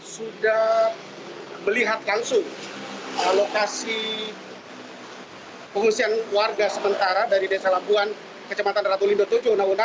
sudah melihat kansu lokasi pengusian warga sementara dari desa lapuan kecamatan ratu lindo tojo una una